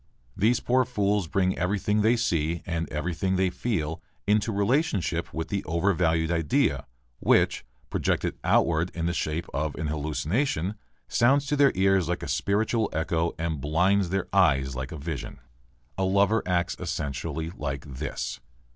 These poor fools bring everything they see and everything they feel into relationship with the overvalued idea which, projected outward in the shape of an hallucination, sounds to their ears like a spiritual echo and blinds their eyes like a vision. A lover acts essentially like this.